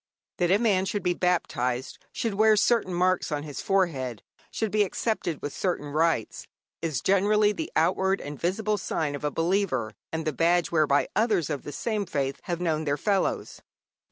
That a man should be baptized, should wear certain marks on his forehead, should be accepted with certain rites, is generally the outward and visible sign of a believer, and the badge whereby others of the same faith have known their fellows.